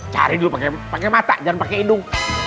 cari dulu pakai mata jangan pakai indung